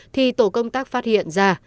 thì tổ công tác phát hiện ra